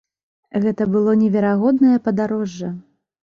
Гэта было неверагоднае падарожжа.